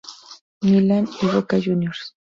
Milan y Boca Juniors.